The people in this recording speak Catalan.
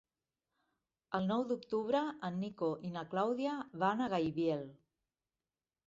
El nou d'octubre en Nico i na Clàudia van a Gaibiel.